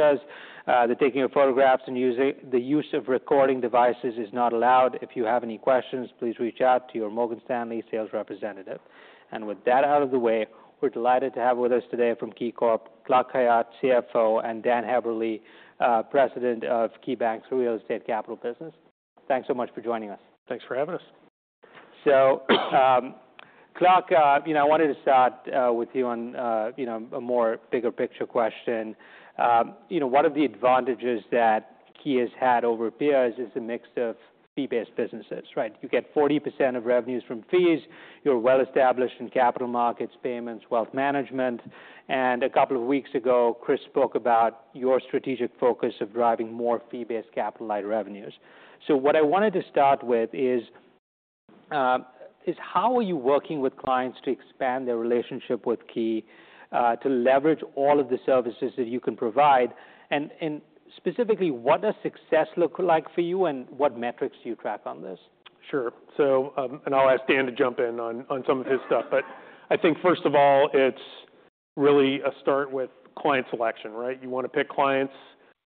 says, the taking of photographs and using the use of recording devices is not allowed. If you have any questions, please reach out to your Morgan Stanley sales representative. And with that out of the way, we're delighted to have with us today from KeyCorp, Clark Khayat, CFO, and Dan Heberle, President of KeyBank Real Estate Capital. Thanks so much for joining us. Thanks for having us. So, Clark, you know, I wanted to start with you on, you know, a more bigger picture question. You know, one of the advantages that Key has had over peers is the mix of fee-based businesses, right? You get 40% of revenues from fees. You're well-established in capital markets, payments, wealth management, and a couple of weeks ago, Chris spoke about your strategic focus of driving more fee-based capital-light revenues. So what I wanted to start with is how are you working with clients to expand their relationship with Key to leverage all of the services that you can provide? And specifically, what does success look like for you, and what metrics do you track on this? Sure. So, and I'll ask Dan to jump in on some of his stuff. But I think first of all, it's really a start with client selection, right? You want to pick clients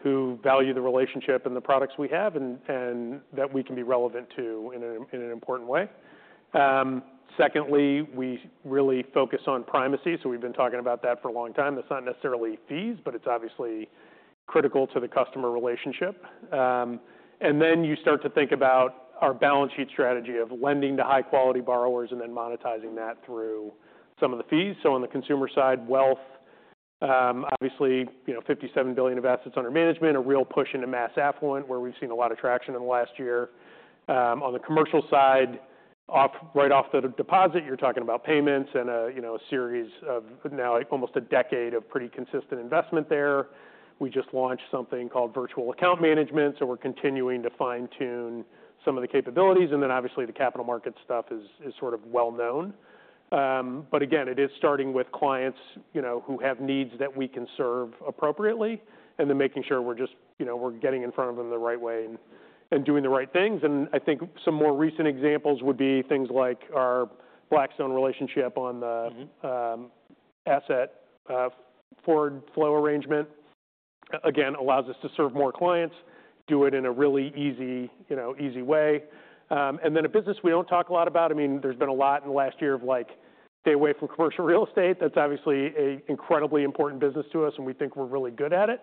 who value the relationship and the products we have and that we can be relevant to in an important way. Secondly, we really focus on primacy, so we've been talking about that for a long time. That's not necessarily fees, but it's obviously critical to the customer relationship. And then you start to think about our balance sheet strategy of lending to high-quality borrowers and then monetizing that through some of the fees. So on the consumer side, wealth, obviously, you know, $57 billion of assets under management, a real push into mass affluent, where we've seen a lot of traction in the last year. On the commercial side, right off the deposit, you're talking about payments and a, you know, a series of now almost a decade of pretty consistent investment there. We just launched something called Virtual Account Management, so we're continuing to fine-tune some of the capabilities. And then obviously, the capital markets stuff is sort of well known. But again, it is starting with clients, you know, who have needs that we can serve appropriately, and then making sure we're just. You know, we're getting in front of them the right way and, and doing the right things. And I think some more recent examples would be things like our Blackstone relationship on asset forward flow arrangement. Again, allows us to serve more clients, do it in a really easy, you know, easy way. And then a business we don't talk a lot about, I mean, there's been a lot in the last year of, like, stay away from commercial real estate. That's obviously a incredibly important business to us, and we think we're really good at it.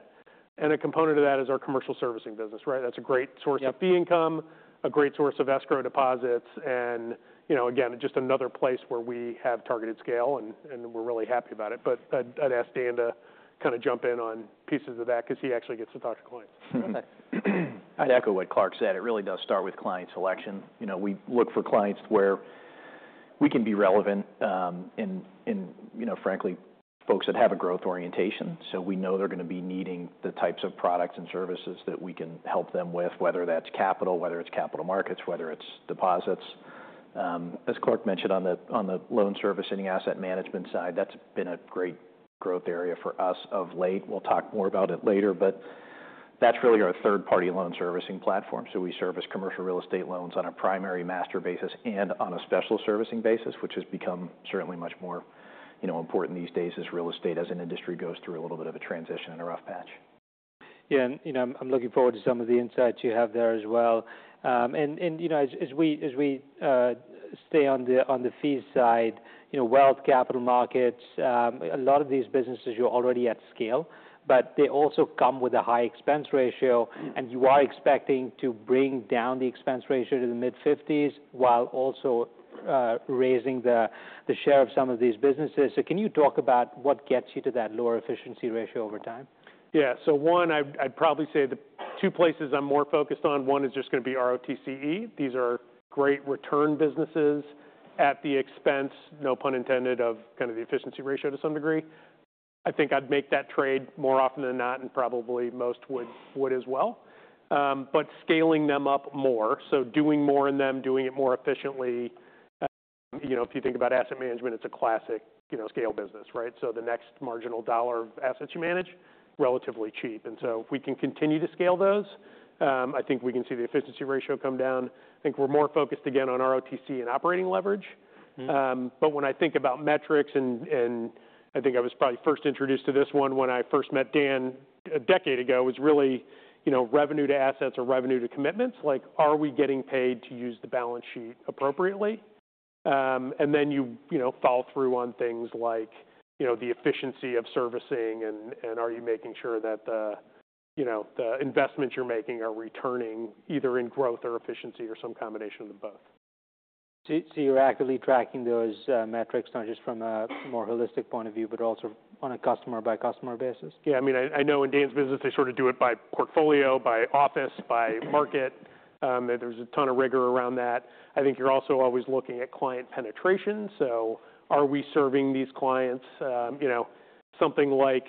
And a component of that is our commercial servicing business, right? That's a great source. Yep Of fee income, a great source of escrow deposits, and, you know, again, just another place where we have targeted scale, and we're really happy about it. But I'd ask Dan to kind of jump in on pieces of that because he actually gets to talk to clients. Okay. I'd echo what Clark said. It really does start with client selection. You know, we look for clients where we can be relevant, and you know, frankly, folks that have a growth orientation, so we know they're going to be needing the types of products and services that we can help them with, whether that's capital, whether it's capital markets, whether it's deposits. As Clark mentioned on the loan servicing and asset management side, that's been a great growth area for us of late. We'll talk more about it later, but that's really our third-party loan servicing platform. So we service commercial real estate loans on a primary servicing basis and on a special servicing basis, which has become certainly much more, you know, important these days as real estate, as an industry, goes through a little bit of a transition and a rough patch. Yeah, and, you know, I'm looking forward to some of the insights you have there as well. And, you know, as we stay on the fee side, you know, wealth, capital markets, a lot of these businesses, you're already at scale, but they also come with a high expense ratio. You are expecting to bring down the expense ratio to the mid-50s, while also raising the share of some of these businesses. Can you talk about what gets you to that lower efficiency ratio over time? Yeah. So one, I'd, I'd probably say the two places I'm more focused on, one is just going to be ROTCE. These are great return businesses at the expense, no pun intended, of kind of the efficiency ratio to some degree. I think I'd make that trade more often than not, and probably most would, would as well. But scaling them up more, so doing more in them, doing it more efficiently. You know, if you think about asset management, it's a classic, you know, scale business, right? So the next marginal dollar of assets you manage, relatively cheap. And so if we can continue to scale those, I think we can see the efficiency ratio come down. I think we're more focused again on ROTCE and operating leverage. But when I think about metrics, and, and I think I was probably first introduced to this one when I first met Dan a decade ago, was really, you know, revenue to assets or revenue to commitments. Like, are we getting paid to use the balance sheet appropriately? And then you, you know, follow through on things like, you know, the efficiency of servicing and, and are you making sure that the, you know, the investments you're making are returning either in growth or efficiency or some combination of both? So, you're actively tracking those metrics, not just from a more holistic point of view, but also on a customer-by-customer basis? Yeah, I mean, I know in Dan's business, they sort of do it by portfolio, by office, by market, and there's a ton of rigor around that. I think you're also always looking at client penetration, so are we serving these clients? You know, something like,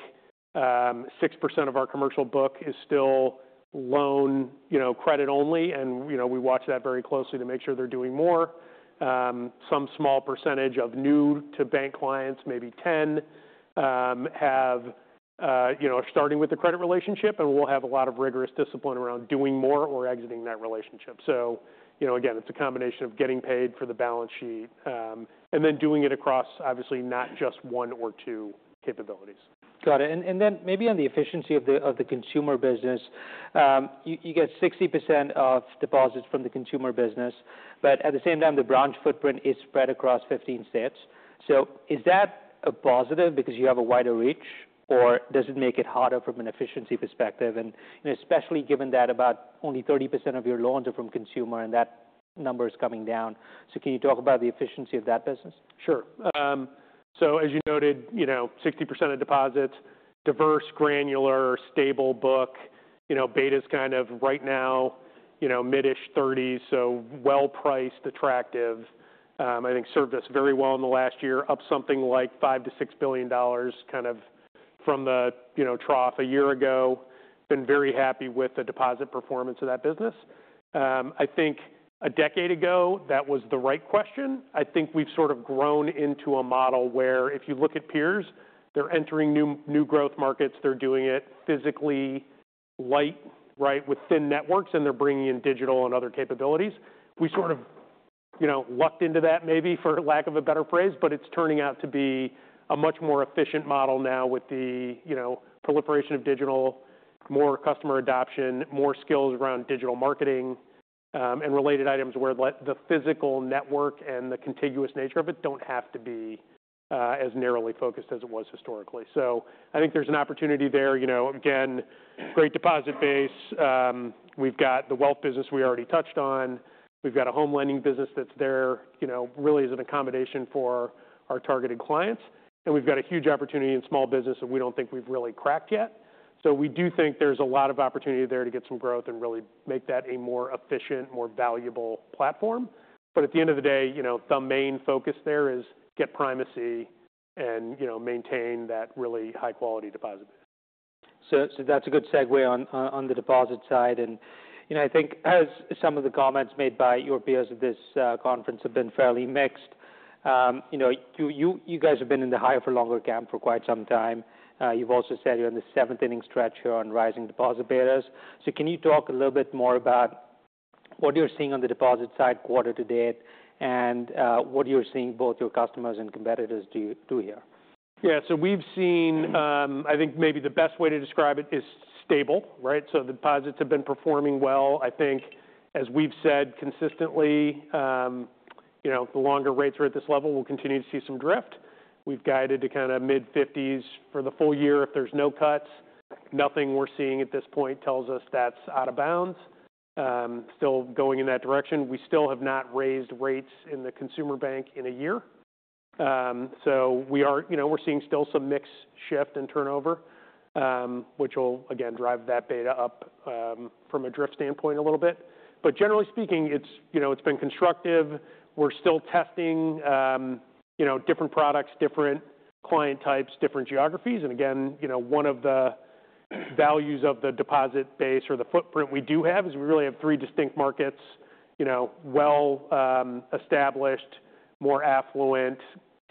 six percent of our commercial book is still loan, you know, credit only, and, you know, we watch that very closely to make sure they're doing more. Some small percentage of new to bank clients, maybe 10, have, you know, are starting with the credit relationship, and we'll have a lot of rigorous discipline around doing more or exiting that relationship. So, you know, again, it's a combination of getting paid for the balance sheet, and then doing it across, obviously, not just one or two capabilities. Got it. And then maybe on the efficiency of the consumer business, you get 60% of deposits from the consumer business, but at the same time, the branch footprint is spread across 15 states. So is that a positive because you have a wider reach, or does it make it harder from an efficiency perspective? And especially given that about only 30% of your loans are from consumer, and that number is coming down. So can you talk about the efficiency of that business? Sure. So as you noted, you know, 60% of deposits, diverse, granular, stable book. You know, beta's kind of right now, you know, mid-ish thirties, so well-priced, attractive. I think served us very well in the last year, up something like $5 billion-$6 billion, kind of from the, you know, trough a year ago. Been very happy with the deposit performance of that business. I think a decade ago, that was the right question. I think we've sort of grown into a model where if you look at peers, they're entering new, new growth markets, they're doing it physically light, right, with thin networks, and they're bringing in digital and other capabilities. We sort of, you know, lucked into that maybe, for lack of a better phrase, but it's turning out to be a much more efficient model now with the, you know, proliferation of digital, more customer adoption, more skills around digital marketing, and related items, where the physical network and the contiguous nature of it don't have to be as narrowly focused as it was historically. So I think there's an opportunity there. You know, again, great deposit base. We've got the wealth business we already touched on. We've got a home lending business that's there, you know, really as an accommodation for our targeted clients. And we've got a huge opportunity in small business that we don't think we've really cracked yet. So we do think there's a lot of opportunity there to get some growth and really make that a more efficient, more valuable platform. But at the end of the day, you know, the main focus there is get primacy and, you know, maintain that really high-quality deposit. So that's a good segue on the deposit side. And, you know, I think as some of the comments made by your peers at this conference have been fairly mixed, you know, you guys have been in the higher for longer camp for quite some time. You've also said you're in the seventh inning stretch here on rising deposit betas. So can you talk a little bit more about what you're seeing on the deposit side quarter to date, and what you're seeing both your customers and competitors do here? Yeah, so we've seen. I think maybe the best way to describe it is stable, right? So the deposits have been performing well. I think as we've said consistently, you know, the longer rates are at this level, we'll continue to see some drift. We've guided to kind of mid-fifties for the full year if there's no cuts. Nothing we're seeing at this point tells us that's out of bounds. Still going in that direction. We still have not raised rates in the consumer bank in a year. So we are, you know, we're seeing still some mix shift and turnover, which will again drive that beta up, from a drift standpoint a little bit. But generally speaking, it's, you know, it's been constructive. We're still testing, you know, different products, different client types, different geographies. And again, you know, one of the values of the deposit base or the footprint we do have is we really have three distinct markets. You know, well, established, more affluent,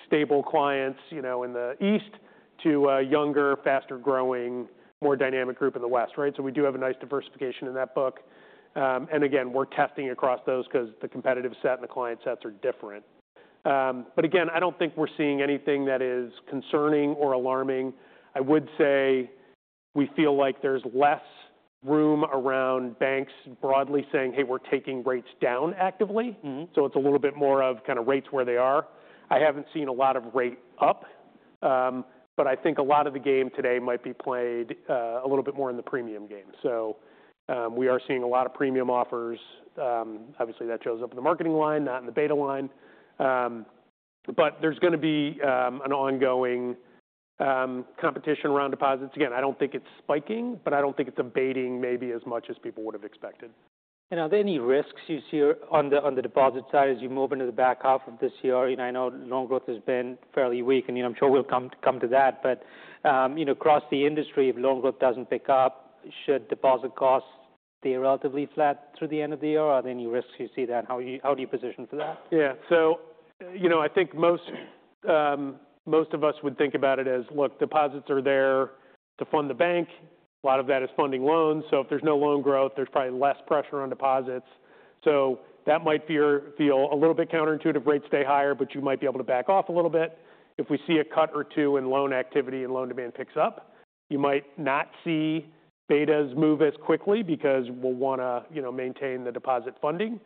stable clients, you know, in the east to a younger, faster-growing, more dynamic group in the west, right? So we do have a nice diversification in that book. And again, we're testing across those 'cause the competitive set and the client sets are different. But again, I don't think we're seeing anything that is concerning or alarming. I would say we feel like there's less room around banks broadly saying, "Hey, we're taking rates down actively. So it's a little bit more of kind of rates where they are. I haven't seen a lot of rate up, but I think a lot of the game today might be played, a little bit more in the premium game. So, we are seeing a lot of premium offers. Obviously, that shows up in the marketing line, not in the beta line. But there's gonna be, an ongoing, competition around deposits. Again, I don't think it's spiking, but I don't think it's abating maybe as much as people would've expected. Are there any risks you see on the deposit side as you move into the back half of this year? I know loan growth has been fairly weak, and I'm sure we'll come to that. But, you know, across the industry, if loan growth doesn't pick up, should deposit costs stay relatively flat through the end of the year? Are there any risks you see that? How do you position for that? Yeah. So, you know, I think most, most of us would think about it as, look, deposits are there to fund the bank. A lot of that is funding loans. So if there's no loan growth, there's probably less pressure on deposits. So that might feel a little bit counterintuitive. Rates stay higher, but you might be able to back off a little bit. If we see a cut or two in loan activity and loan demand picks up, you might not see betas move as quickly because we'll wanna, you know, maintain the deposit funding.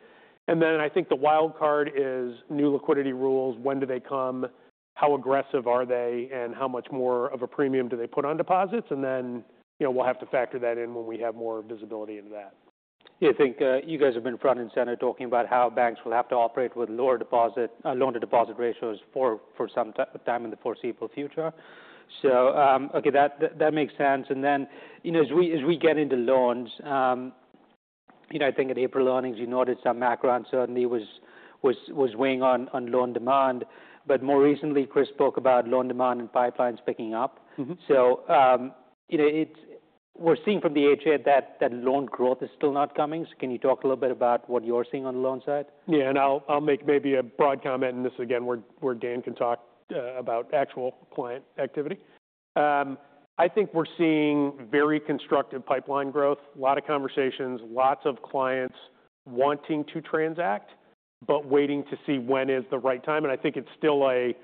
And then I think the wild card is new liquidity rules. When do they come? How aggressive are they, and how much more of a premium do they put on deposits? And then, you know, we'll have to factor that in when we have more visibility into that. Yeah, I think you guys have been front and center talking about how banks will have to operate with lower deposit loan-to-deposit ratios for some time in the foreseeable future. So, okay, that makes sense. And then, you know, as we get into loans, you know, I think in April earnings, you noticed some macro uncertainty was weighing on loan demand. But more recently, Chris spoke about loan demand and pipelines picking up. So, you know, we're seeing from the H.8 that that loan growth is still not coming. So can you talk a little bit about what you're seeing on the loan side? Yeah, and I'll make maybe a broad comment, and this is again, where Dan can talk about actual client activity. I think we're seeing very constructive pipeline growth, a lot of conversations, lots of clients wanting to transact, but waiting to see when is the right time. And I think it's still a,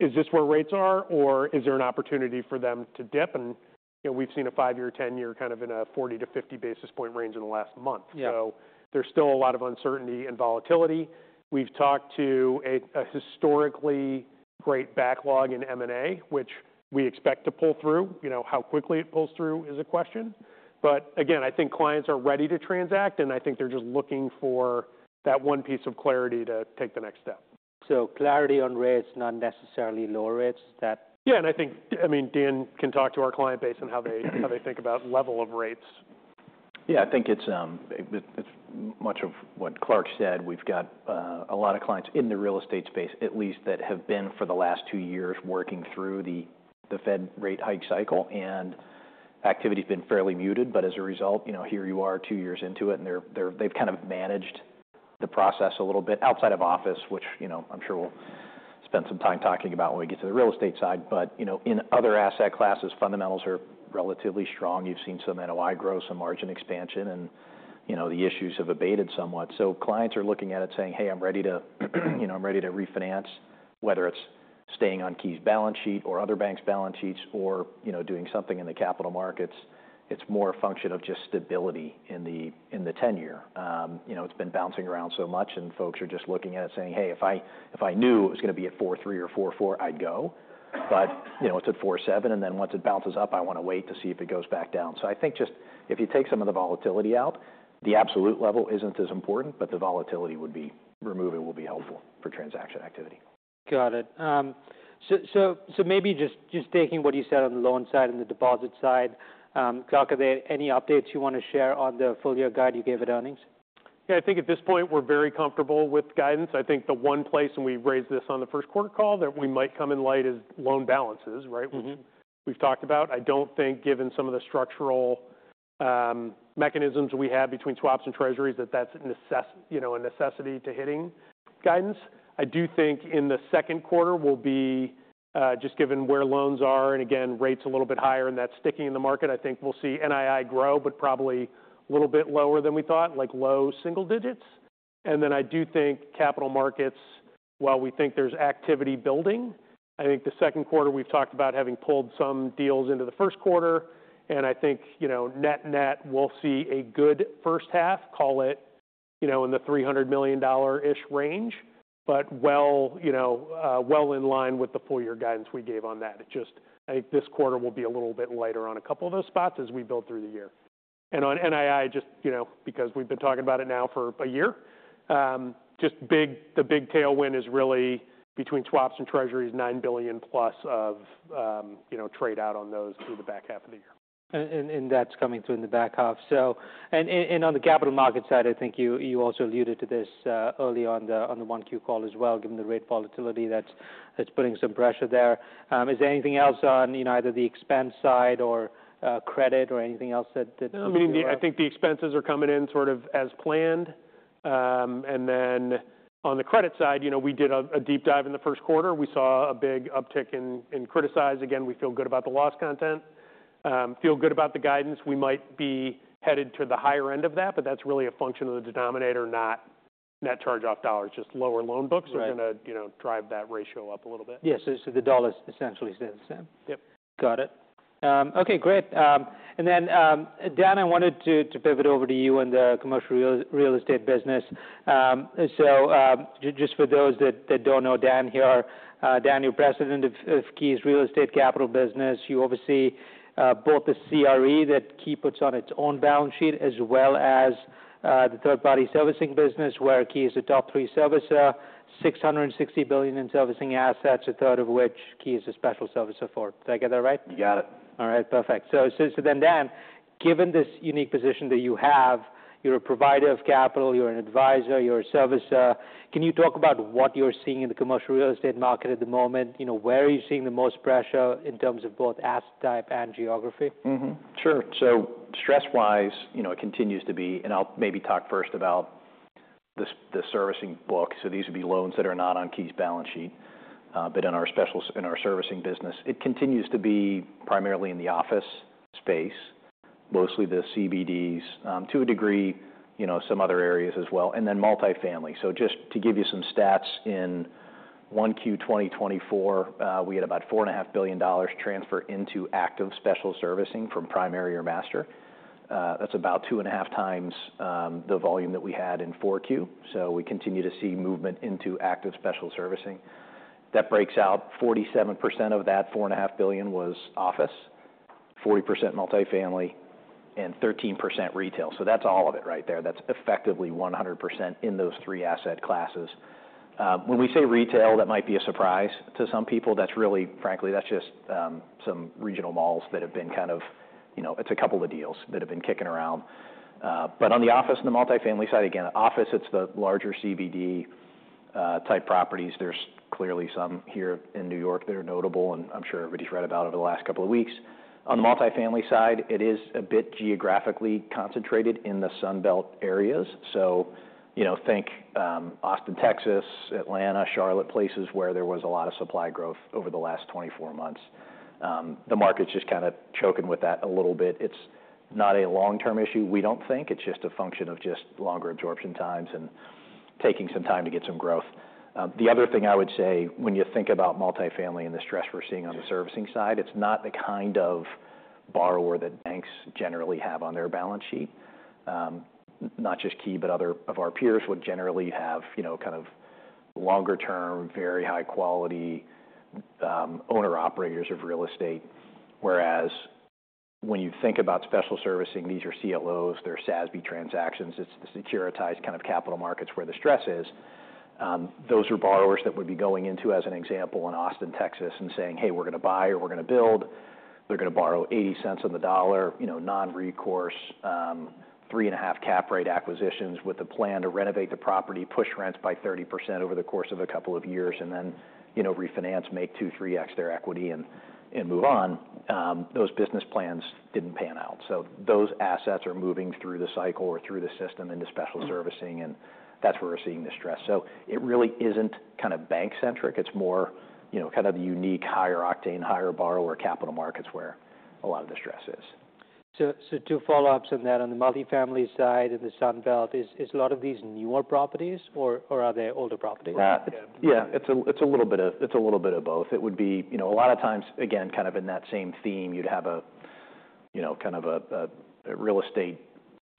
"Is this where rates are, or is there an opportunity for them to dip?" And, you know, we've seen a 5-year, 10-year kind of in a 40-50 basis point range in the last month. Yeah. So there's still a lot of uncertainty and volatility. We've talked to a historically great backlog in M&A, which we expect to pull through. You know, how quickly it pulls through is a question. But again, I think clients are ready to transact, and I think they're just looking for that one piece of clarity to take the next step. So clarity on rates, not necessarily lower rates, is that Yeah, and I think, I mean, Dan can talk to our client base and how they, how they think about level of rates. Yeah, I think it's much of what Clark said. We've got a lot of clients in the real estate space, at least that have been for the last two years, working through the Fed rate hike cycle, and activity has been fairly muted. But as a result, you know, here you are, two years into it, and they've kind of managed the process a little bit outside of office, which, you know, I'm sure we'll spend some time talking about when we get to the real estate side. But, you know, in other asset classes, fundamentals are relatively strong. You've seen some NOI grow, some margin expansion, and, you know, the issues have abated somewhat. So clients are looking at it saying, "Hey, I'm ready to, you know, I'm ready to refinance," whether it's staying on Key's balance sheet or other banks' balance sheets or, you know, doing something in the capital markets. It's more a function of just stability in the, in the 10-year. You know, it's been bouncing around so much, and folks are just looking at it saying, "Hey, if I, if I knew it was going to be at 4.3 or 4.4, I'd go. But, you know, it's at 4.7, and then once it bounces up, I want to wait to see if it goes back down." So I think just if you take some of the volatility out, the absolute level isn't as important, but the volatility would be removed, it will be helpful for transaction activity. Got it. So maybe just taking what you said on the loan side and the deposit side, Clark, are there any updates you want to share on the full year guide you gave at earnings? Yeah, I think at this point, we're very comfortable with guidance. I think the one place, and we raised this on the first quarter call, that we might come in light is loan balances, right? Mm-hmm. We've talked about. I don't think, given some of the structural mechanisms we have between swaps and Treasuries, that that's a necessity, you know, to hitting guidance. I do think in the second quarter, we'll be just given where loans are, and again, rates a little bit higher, and that's sticking in the market. I think we'll see NII grow, but probably a little bit lower than we thought, like low single digits. And then I do think capital markets, while we think there's activity building I think the second quarter, we've talked about having pulled some deals into the first quarter, and I think, you know, net, net, we'll see a good first half, call it, you know, in the $300 million-ish range. But well, you know, well in line with the full year guidance we gave on that. It just I think this quarter will be a little bit lighter on a couple of those spots as we build through the year. On NII, just, you know, because we've been talking about it now for a year, just the big tailwind is really between swaps and Treasuries, $9 billion plus of, you know, trade-out on those through the back half of the year. And that's coming through in the back half. So and on the capital markets side, I think you also alluded to this early on the 1Q call as well, given the rate volatility, that's putting some pressure there. Is there anything else on, you know, either the expense side or credit or anything else that, that- No, I mean, I think the expenses are coming in sort of as planned. And then on the credit side, you know, we did a deep dive in the first quarter. We saw a big uptick in criticized. Again, we feel good about the loss content, feel good about the guidance. We might be headed to the higher end of that, but that's really a function of the denominator, not net charge-off dollars. Just lower loan books- Right are gonna, you know, drive that ratio up a little bit. Yes, so the dollar is essentially staying the same? Yep. Got it. Okay, great. And then, Dan, I wanted to pivot over to you on the commercial real estate business. So, just for those that don't know Dan here, Dan, you're president of Key's Real Estate Capital Business. You oversee both the CRE that Key puts on its own balance sheet, as well as the third-party servicing business, where Key is a top three servicer, $660 billion in servicing assets, a third of which Key is a special servicer for. Did I get that right? You got it. All right, perfect. So then, Dan, given this unique position that you have, you're a provider of capital, you're an advisor, you're a servicer, can you talk about what you're seeing in the commercial real estate market at the moment? You know, where are you seeing the most pressure in terms of both asset type and geography? Mm-hmm, sure. So stress-wise, you know, it continues to be... And I'll maybe talk first about the servicing book. So these would be loans that are not on Key's balance sheet, but in our special servicing business. It continues to be primarily in the office space, mostly the CBDs, to a degree, you know, some other areas as well, and then multifamily. So just to give you some stats, in 1Q 2024, we had about $4.5 billion transfer into active special servicing from primary or master. That's about 2.5 times the volume that we had in 4Q. So we continue to see movement into active special servicing. That breaks out 47% of that $4.5 billion was office, 40% multifamily, and 13% retail. So that's all of it right there. That's effectively 100% in those three asset classes. When we say retail, that might be a surprise to some people. That's really, frankly, that's just some regional malls that have been kind of, you know, it's a couple of deals that have been kicking around. But on the office and the multifamily side, again, office, it's the larger CBD type properties. There's clearly some here in New York that are notable, and I'm sure everybody's read about over the last couple of weeks. On the multifamily side, it is a bit geographically concentrated in the Sun Belt areas. So, you know, think Austin, Texas, Atlanta, Charlotte, places where there was a lot of supply growth over the last 24 months. The market's just kind of choking with that a little bit. It's not a long-term issue, we don't think. It's just a function of just longer absorption times and taking some time to get some growth. The other thing I would say when you think about multifamily and the stress we're seeing on the servicing side, it's not the kind of borrower that banks generally have on their balance sheet, not just Key, but other of our peers would generally have, you know, kind of longer term, very high quality, owner-operators of real estate. Whereas when you think about special servicing, these are CLOs, they're SASB transactions. It's the securitized kind of capital markets where the stress is. Those are borrowers that would be going into, as an example, in Austin, Texas, and saying, "Hey, we're going to buy or we're going to build." They're going to borrow 80 cents on the dollar, you know, non-recourse, three and a half cap rate acquisitions with a plan to renovate the property, push rents by 30% over the course of a couple of years, and then, you know, refinance, make 2-3x their equity and, and move on. Those business plans didn't pan out. So those assets are moving through the cycle or through the system into special servicing, and that's where we're seeing the stress. So it really isn't kind of bank-centric. It's more, you know, kind of the unique, higher octane, higher borrower capital markets, where a lot of the stress is. So, two follow-ups on that. On the multifamily side, in the Sun Belt, is a lot of these newer properties or are they older properties? Yeah, it's a little bit of both. It would be. You know, a lot of times, again, kind of in that same theme, you'd have a real estate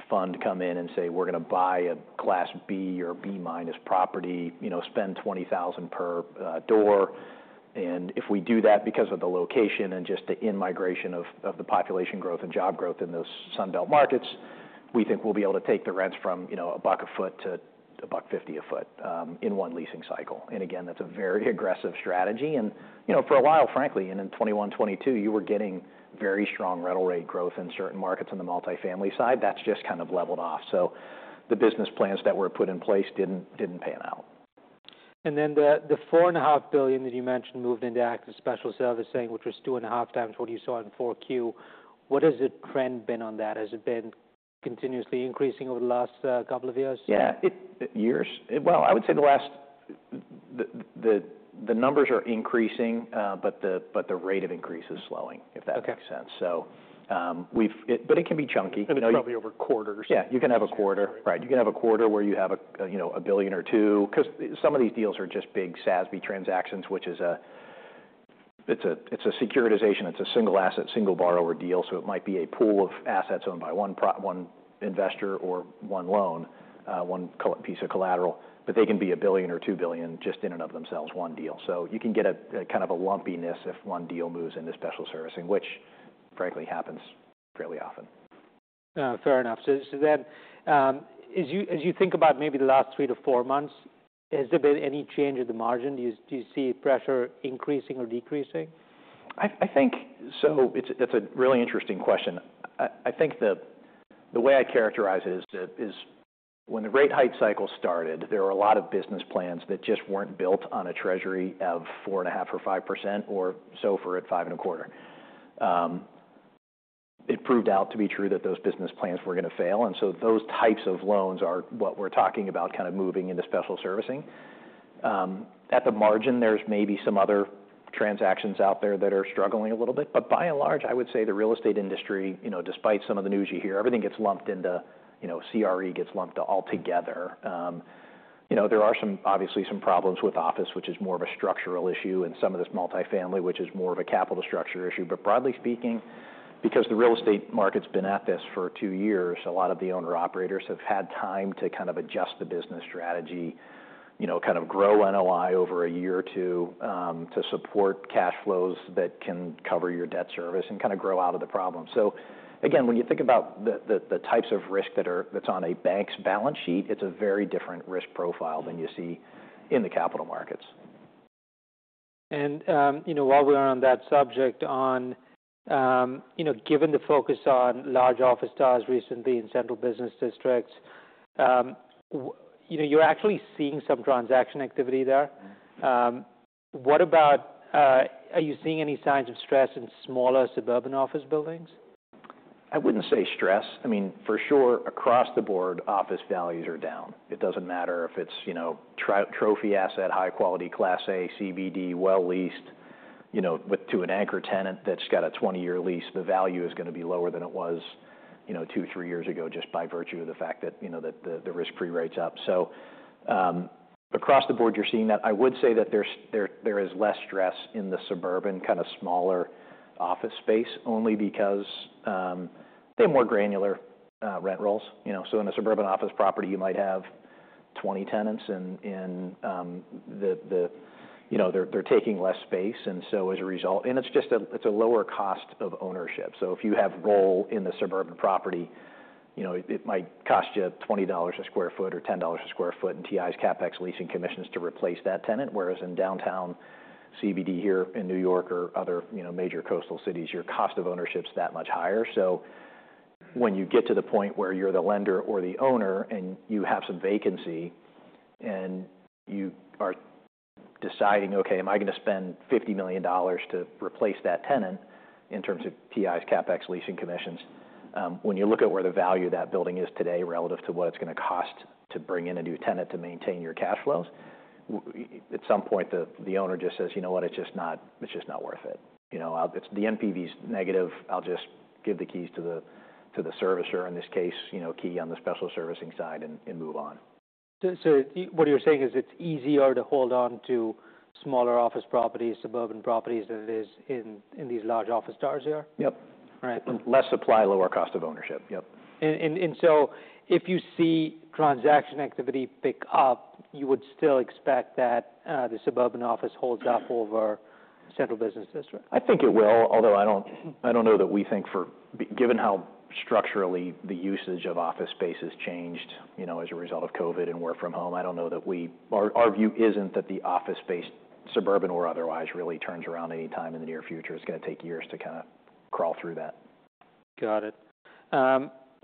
fund come in and say, "We're going to buy a Class B or B-minus property, you know, spend $20,000 per door. And if we do that because of the location and just the in-migration of the population growth and job growth in those Sun Belt markets, we think we'll be able to take the rents from, you know, $1 a foot to $1.50 a foot in one leasing cycle." And again, that's a very aggressive strategy. You know, for a while, frankly, and in 2021, 2022, you were getting very strong rental rate growth in certain markets on the multifamily side. That's just kind of leveled off. So the business plans that were put in place didn't, didn't pan out. And then the $4.5 billion that you mentioned moved into active special servicing, which was 2.5 times what you saw in 4Q. What has the trend been on that? Has it been continuously increasing over the last couple of years? Yeah, years? Well, I would say the last. The numbers are increasing, but the rate of increase is slowing, if that- Oka makes sense. So, we've it but it can be chunky. It's probably over quarters. Yeah, you can have a quarter. Right. You can have a quarter where you have a, you know, $1 billion or $2 billion, because some of these deals are just big SASB transactions, which is a securitization. It's a single asset, single borrower deal, so it might be a pool of assets owned by one investor or one loan, one piece of collateral, but they can be $1 billion or $2 billion just in and of themselves, one deal. So you can get a kind of a lumpiness if one deal moves into special servicing, which frankly happens fairly often. Fair enough. So then, as you think about maybe the last 3-4 months, has there been any change in the margin? Do you see pressure increasing or decreasing? I think. So it's, that's a really interesting question. I think the way I characterize it is when the rate hike cycle started, there were a lot of business plans that just weren't built on a Treasury of 4.5 or 5%, or so for at 5.25. It proved out to be true that those business plans were going to fail, and so those types of loans are what we're talking about, kind of moving into special servicing. At the margin, there's maybe some other transactions out there that are struggling a little bit, but by and large, I would say the real estate industry, you know, despite some of the news you hear, everything gets lumped into, you know, CRE gets lumped all together. You know, there are some, obviously, some problems with office, which is more of a structural issue, and some of this multifamily, which is more of a capital structure issue. But broadly speaking, because the real estate market's been at this for two years, a lot of the owner-operators have had time to kind of adjust the business strategy, you know, kind of grow NOI over a year or two, to support cash flows that can cover your debt service and kind of grow out of the problem. So again, when you think about the types of risk that's on a bank's balance sheet, it's a very different risk profile than you see in the capital markets. While we're on that subject, you know, given the focus on large office towers recently in central business districts, you know, you're actually seeing some transaction activity there. What about... Are you seeing any signs of stress in smaller suburban office buildings? I wouldn't say stress. I mean, for sure, across the board, office values are down. It doesn't matter if it's, you know, trophy asset, high quality, Class A, CBD, well leased, you know, with an anchor tenant that's got a 20-year lease. The value is going to be lower than it was, you know, 2, 3 years ago, just by virtue of the fact that, you know, that the risk-free rate's up. So, across the board, you're seeing that. I would say that there is less stress in the suburban, kind of smaller office space, only because, they're more granular rent rolls. You know, so in a suburban office property, you might have 20 tenants and the you know, they're taking less space, and so as a result. And it's just a lower cost of ownership. So if you have role in the suburban property, you know, it, it might cost you $20 a sq ft or $10 a sq ft in TIs, CapEx, leasing commissions to replace that tenant, whereas in downtown CBD here in New York or other, you know, major coastal cities, your cost of ownership's that much higher. So, when you get to the point where you're the lender or the owner, and you have some vacancy, and you are deciding, okay, am I gonna spend $50 million to replace that tenant in terms of TIs, CapEx, leasing commissions? When you look at where the value of that building is today relative to what it's gonna cost to bring in a new tenant to maintain your cash flows, at some point, the, the owner just says, "You know what? It's just not, it's just not worth it. You know, I'll- the NPV is negative. I'll just give the keys to the, to the servicer, in this case, you know, Key on the special servicing side and, and move on. So, what you're saying is it's easier to hold on to smaller office properties, suburban properties, than it is in these large office towers here? Yep. Right. Less supply, lower cost of ownership. Yep. If you see transaction activity pick up, you would still expect that the suburban office holds up over central business district? I think it will, although I don't know that we think, given how structurally the usage of office space has changed, you know, as a result of COVID and work from home, I don't know that we... Our view isn't that the office space, suburban or otherwise, really turns around any time in the near future. It's gonna take years to kind of crawl through that. Got it.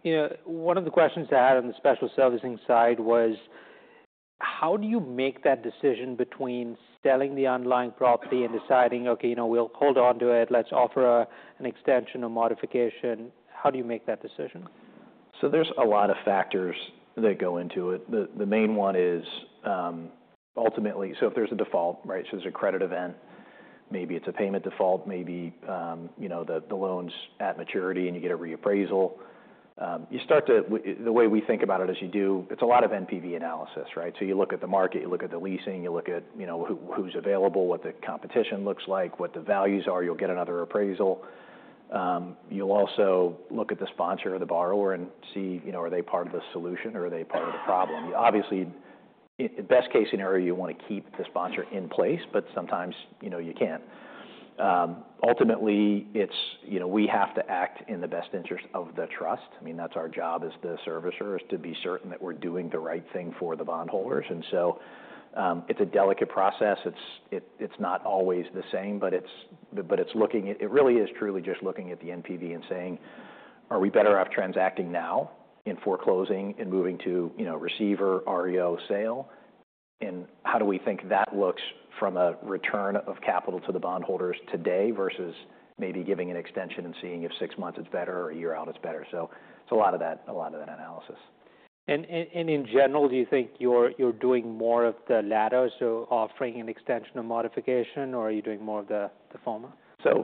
You know, one of the questions I had on the special servicing side was: How do you make that decision between selling the underlying property and deciding, "Okay, you know, we'll hold on to it. Let's offer an extension, a modification." How do you make that decision? So there's a lot of factors that go into it. The main one is ultimately. So if there's a default, right? So there's a credit event, maybe it's a payment default, maybe you know the loan's at maturity, and you get a reappraisal. The way we think about it is, it's a lot of NPV analysis, right? So you look at the market, you look at the leasing, you look at, you know, who, who's available, what the competition looks like, what the values are. You'll get another appraisal. You'll also look at the sponsor or the borrower and see, you know, are they part of the solution, or are they part of the problem? Obviously, best case scenario, you want to keep the sponsor in place, but sometimes, you know, you can't. Ultimately, it's... You know, we have to act in the best interest of the trust. I mean, that's our job as the servicer, is to be certain that we're doing the right thing for the bondholders. And so, it's a delicate process. It's not always the same, but it's looking at the NPV and saying, "Are we better off transacting now in foreclosing and moving to, you know, receiver, REO sale? And how do we think that looks from a return of capital to the bondholders today versus maybe giving an extension and seeing if six months is better or a year out is better?" So it's a lot of that, a lot of that analysis. In general, do you think you're doing more of the latter, so offering an extension or modification, or are you doing more of the former? So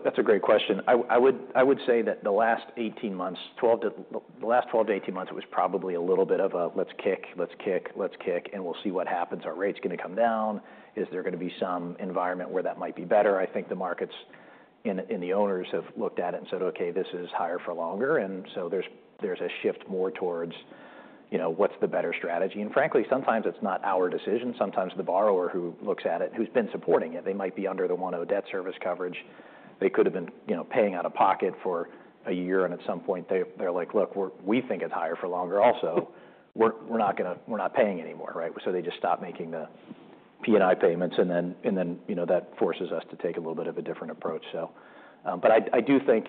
that's a great question. I would say that the last 18 months, 12 to the last 12-18 months, it was probably a little bit of a, "Let's kick, let's kick, let's kick, and we'll see what happens. Are rates gonna come down? Is there gonna be some environment where that might be better?" I think the markets and the owners have looked at it and said, "Okay, this is higher for longer." And so there's a shift more towards, you know, what's the better strategy? And frankly, sometimes it's not our decision. Sometimes the borrower who looks at it, who's been supporting it, they might be under the 1 of debt service coverage. They could have been, you know, paying out of pocket for a year, and at some point, they're like: "Look, we're we think it's higher for longer also. We're not gonna, we're not paying anymore," right? So they just stop making the P&I payments, and then, you know, that forces us to take a little bit of a different approach, so. But I do think,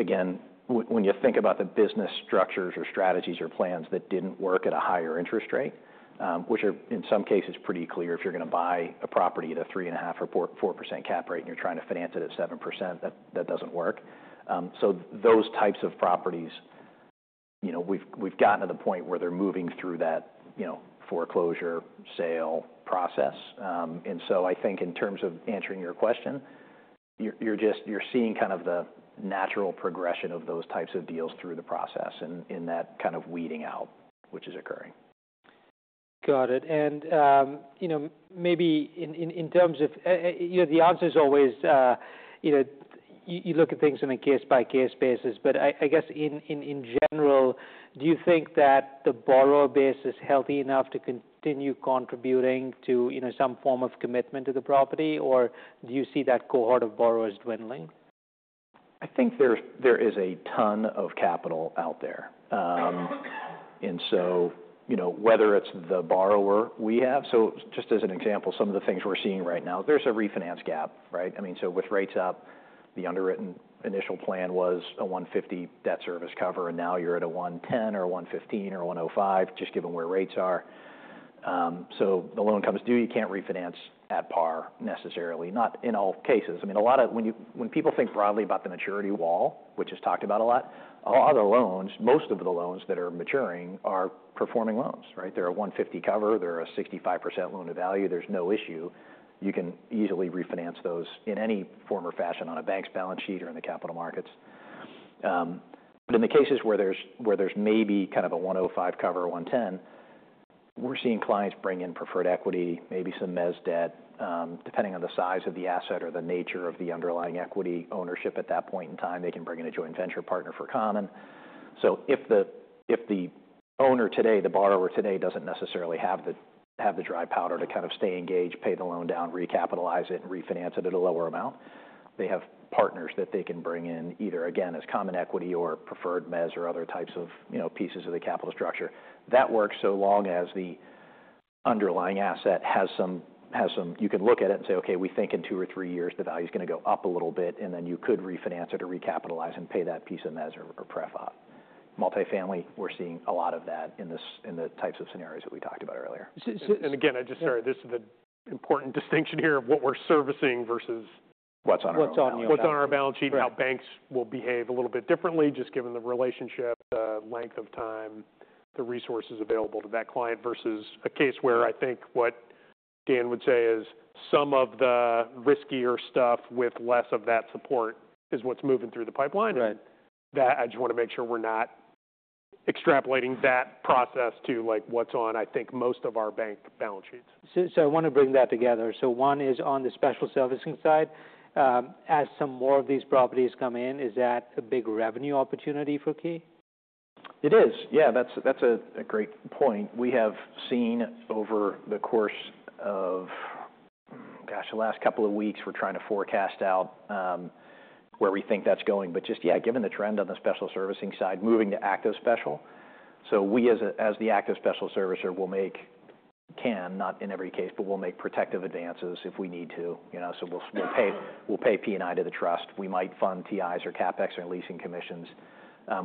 again, when you think about the business structures or strategies or plans that didn't work at a higher interest rate, which are, in some cases, pretty clear, if you're gonna buy a property at a 3.5 or 4% cap rate, and you're trying to finance it at 7%, that doesn't work. So those types of properties, you know, we've gotten to the point where they're moving through that, you know, foreclosure sale process. And so I think in terms of answering your question, you're just seeing kind of the natural progression of those types of deals through the process and that kind of weeding out, which is occurring. Got it. You know, maybe in terms of. You know, the answer is always, you know, you look at things on a case-by-case basis, but I guess, in general, do you think that the borrower base is healthy enough to continue contributing to, you know, some form of commitment to the property, or do you see that cohort of borrowers dwindling? I think there is a ton of capital out there. And so, you know, whether it's the borrower we have. So just as an example, some of the things we're seeing right now, there's a refinance gap, right? I mean, so with rates up, the underwritten initial plan was a 1.50 debt service cover, and now you're at a 1.10 or a 1.15 or a 1.05, just given where rates are. So the loan comes due, you can't refinance at par necessarily, not in all cases. I mean, a lot of when people think broadly about the maturity wall, which is talked about a lot, a lot of the loans, most of the loans that are maturing are performing loans, right? They're a 1.50 cover. They're a 65% loan to value. There's no issue. You can easily refinance those in any form or fashion on a bank's balance sheet or in the capital markets. But in the cases where there's maybe kind of a 1.05 cover, or 1.10, we're seeing clients bring in preferred equity, maybe some mezz debt, depending on the size of the asset or the nature of the underlying equity ownership at that point in time, they can bring in a joint venture partner for common. So if the owner today, the borrower today, doesn't necessarily have the dry powder to kind of stay engaged, pay the loan down, recapitalize it, and refinance it at a lower amount, they have partners that they can bring in, either, again, As common equity or preferred mezz or other types of, you know, pieces of the capital structure. That works so long as the underlying asset has some you can look at it and say, "Okay, we think in two or three years, the value is going to go up a little bit," and then you could refinance it or recapitalize and pay that piece of mezz or pref op. Multifamily, we're seeing a lot of that in the types of scenarios that we talked about earlier. So, so Again, I just sorry, this is an important distinction here of what we're servicing versus- What's on our balance sheet? What's on you? What's on our balance sheet? Right. how banks will behave a little bit differently, just given the relationship, the length of time, the resources available to that client, versus a case where I think what Dan would say is some of the riskier stuff with less of that support is what's moving through the pipeline. Right. That, I just want to make sure we're not extrapolating that process to, like, what's on, I think, most of our bank balance sheets. So, so I want to bring that together. So one is on the special servicing side. As some more of these properties come in, is that a big revenue opportunity for Key? It is. Yeah, that's a great point. We have seen over the course of, gosh, the last couple of weeks, we're trying to forecast out, where we think that's going. But just, yeah, given the trend on the special servicing side, moving to active special, so we as the active special servicer, will make, can, not in every case, but we'll make protective advances if we need to, you know. So we'll pay P&I to the trust. We might fund TIs or CapEx or leasing commissions,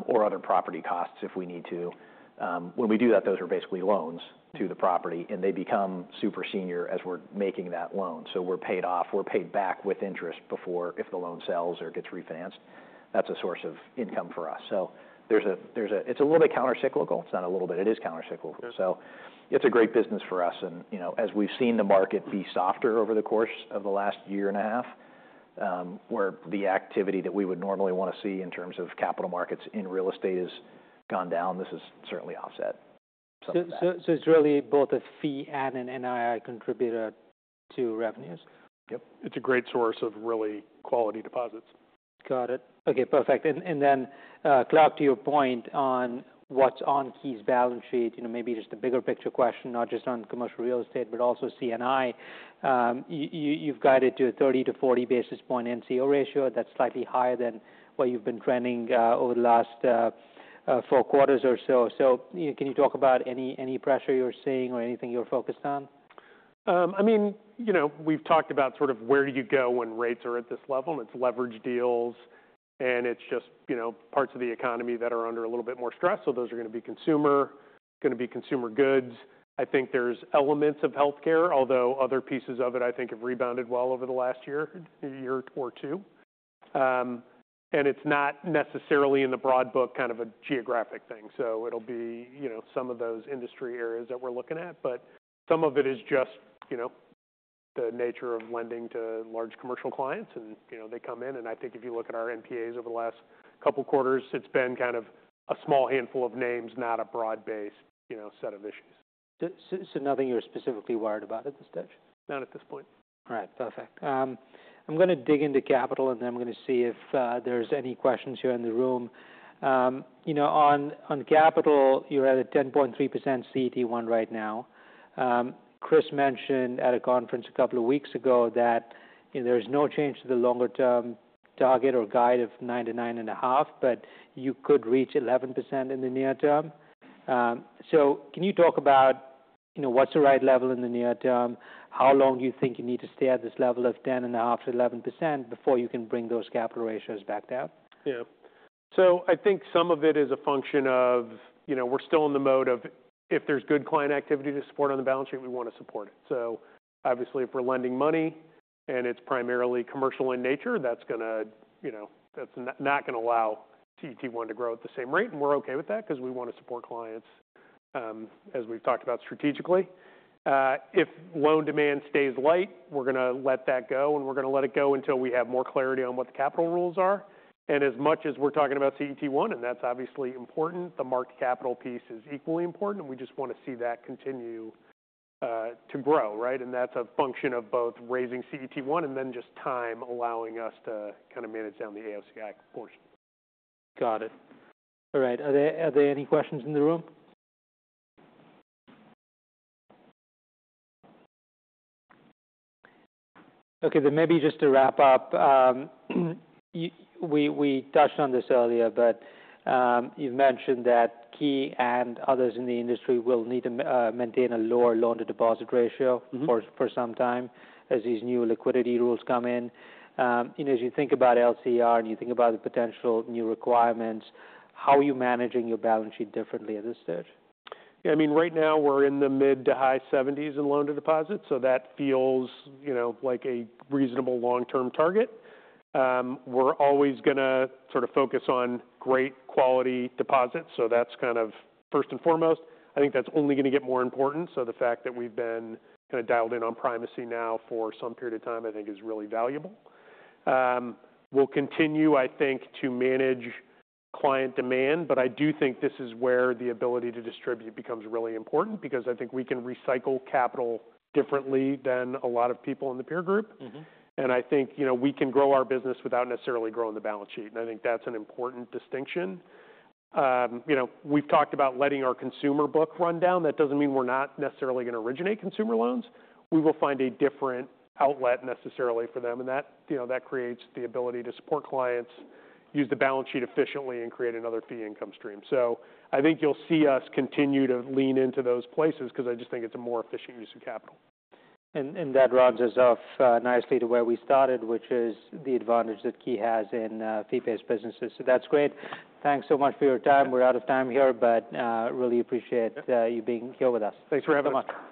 or other property costs if we need to. When we do that, those are basically loans to the property, and they become super senior as we're making that loan. So we're paid off. We're paid back with interest before if the loan sells or gets refinanced. That's a source of income for us. So it's a little bit countercyclical. It's not a little bit, it is countercyclical. Yeah. It's a great business for us. You know, as we've seen the market be softer over the course of the last year and a half, where the activity that we would normally want to see in terms of capital markets in real estate has gone down, this has certainly offset some of that. So, it's really both a fee and an NII contributor to revenues? Yep, it's a great source of really quality deposits. Got it. Okay, perfect. And then, Clark, to your point on what's on Key's balance sheet, you know, maybe just a bigger picture question, not just on commercial real estate, but also CNI. You've guided to a 30-40 basis point NCO ratio. That's slightly higher than what you've been trending over the last four quarters or so. So, you know, can you talk about any pressure you're seeing or anything you're focused on? I mean, you know, we've talked about sort of where do you go when rates are at this level, and it's leverage deals, and it's just, you know, parts of the economy that are under a little bit more stress. So those are gonna be consumer, gonna be consumer goods. I think there's elements of healthcare, although other pieces of it, I think, have rebounded well over the last year, year or two. And it's not necessarily in the broad book, kind of a geographic thing. So it'll be, you know, some of those industry areas that we're looking at. But some of it is just, you know, the nature of lending to large commercial clients, and, you know, they come in, and I think if you look at our NPAs over the last couple of quarters, it's been kind of a small handful of names, not a broad-based, you know, set of issues. So, nothing you're specifically worried about at this stage? Not at this point. All right, perfect. I'm gonna dig into capital, and then I'm gonna see if, there's any questions here in the room. You know, on, on capital, you're at a 10.3% CET1 right now. Chris mentioned at a conference a couple of weeks ago that, you know, there's no change to the longer-term target or guide of 9%-9.5%, but you could reach 11% in the near term. So can you talk about, you know, what's the right level in the near term? How long do you think you need to stay at this level of 10.5%-11% before you can bring those capital ratios back down? Yeah. So I think some of it is a function of, you know, we're still in the mode of if there's good client activity to support on the balance sheet, we want to support it. So obviously, if we're lending money and it's primarily commercial in nature, that's gonna, you know, that's not gonna allow CET1 to grow at the same rate, and we're okay with that because we want to support clients, as we've talked about strategically. If loan demand stays light, we're gonna let that go, and we're gonna let it go until we have more clarity on what the capital rules are. And as much as we're talking about CET1, and that's obviously important, the mark-to-capital piece is equally important, and we just want to see that continue to grow, right? That's a function of both raising CET1 and then just time allowing us to kind of manage down the AOCI portion. Got it. All right. Are there any questions in the room? Okay, then maybe just to wrap up. We touched on this earlier, but you've mentioned that Key and others in the industry will need to maintain a lower loan-to-deposit ratio for some time as these new liquidity rules come in. You know, as you think about LCR and you think about the potential new requirements, how are you managing your balance sheet differently at this stage? Yeah, I mean, right now, we're in the mid- to high-seventies in loan-to-deposit, so that feels, you know, like a reasonable long-term target. We're always gonna sort of focus on great quality deposits, so that's kind of first and foremost. I think that's only gonna get more important, so the fact that we've been kind of dialed in on primacy now for some period of time, I think is really valuable. We'll continue, I think, to manage client demand, but I do think this is where the ability to distribute becomes really important because I think we can recycle capital differently than a lot of people in the peer group. I think, you know, we can grow our business without necessarily growing the balance sheet, and I think that's an important distinction. You know, we've talked about letting our consumer book run down. That doesn't mean we're not necessarily gonna originate consumer loans. We will find a different outlet necessarily for them, and that, you know, that creates the ability to support clients, use the balance sheet efficiently, and create another fee income stream. So I think you'll see us continue to lean into those places because I just think it's a more efficient use of capital. That rounds us off nicely to where we started, which is the advantage that Key has in fee-based businesses. So that's great. Thanks so much for your time. We're out of time here, but really appreciate- Yeah you being here with us. Thanks for having us.